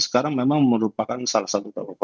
sekarang memang merupakan salah satu tokoh